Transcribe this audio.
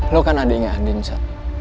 lo kan adiknya andin sa